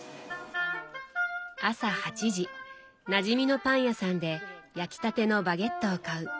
朝８時なじみのパン屋さんで焼きたてのバゲットを買う。